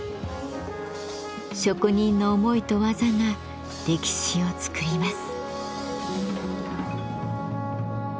職人の思いと技が歴史を作ります。